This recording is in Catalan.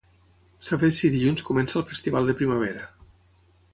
Saber si dilluns comença el festival de primavera.